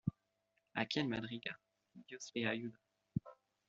A quien madruga, dios le ayuda.